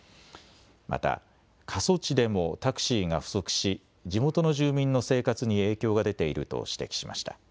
また過疎地でもタクシーが不足し地元の住民の生活に影響が出ていると指摘しました。